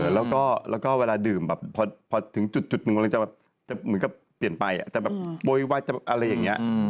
แล้วก็เวลาดื่มแบบพอถึงจุดหนึ่งก็เปลี่ยนไปจะแบบโบยวัดอะไรอย่างนี้